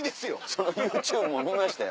そのＹｏｕＴｕｂｅも見ましたよ